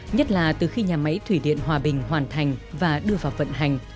nhất là từ khi nhà máy thủy điện hòa bình hoàn thành và đưa vào vận hành